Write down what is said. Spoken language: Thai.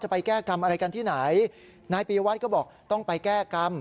ไปแก้กรรมอะไรกันที่ไหนนายปียวัตรก็บอกต้องไปแก้กรรม